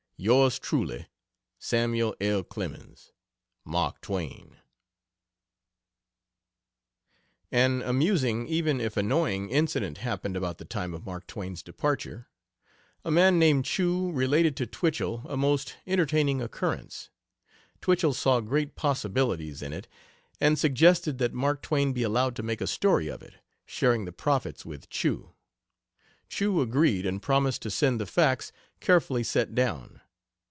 Yours truly, SAML. L. CLEMENS, "MARK TWAIN," An amusing, even if annoying, incident happened about the time of Mark Twain's departure. A man named Chew related to Twichell a most entertaining occurrence. Twichell saw great possibilities in it, and suggested that Mark Twain be allowed to make a story of it, sharing the profits with Chew. Chew agreed, and promised to send the facts, carefully set down.